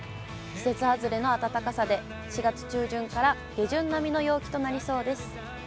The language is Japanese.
季節外れの暖かさで、４月中旬から下旬並みの陽気となりそうです。